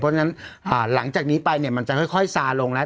เพราะฉะนั้นหลังจากนี้ไปเนี่ยมันจะค่อยซาลงแล้ว